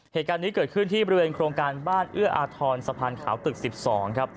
เหตุการณ์นี้เกิดขึ้นที่บริเวณโครงการบ้านเอื้ออาทรสะพานขาวตึก๑๒ครับ